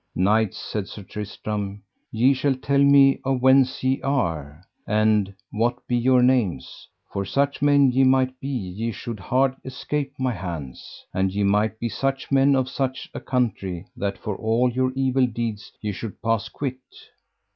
Knights, said Sir Tristram, ye shall tell me of whence ye are, and what be your names, for such men ye might be ye should hard escape my hands; and ye might be such men of such a country that for all your evil deeds ye should pass quit.